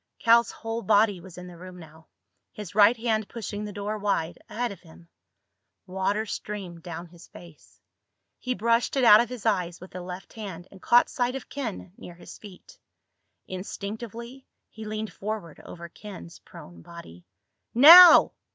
Cal's whole body was in the room now, his right hand pushing the door wide ahead of him. Water streamed down his face. He brushed it out of his eyes with the left hand and caught sight of Ken, near his feet. Instinctively he leaned forward over Ken's prone body. "Now!"